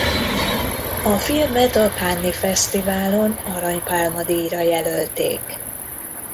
A filmet a Cannes-i fesztiválon Arany Pálma díjra jelölték.